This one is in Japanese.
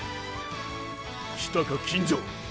来たか金城！